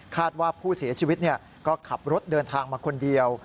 ว่าผู้เสียชีวิตก็ขับรถเดินทางมาคนเดียว